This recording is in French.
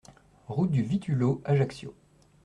Route du Vittulo, Ajaccio